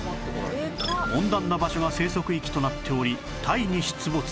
温暖な場所が生息域となっておりタイに出没